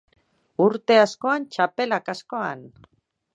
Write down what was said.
Urte askoan txapela kaskoan.